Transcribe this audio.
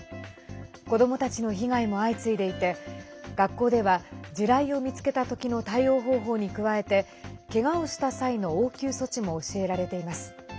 子どもたちの被害も相次いでいて学校では地雷を見つけた時の対応方法に加えてけがをした際の応急措置も教えられています。